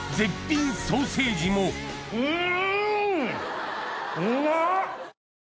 うん！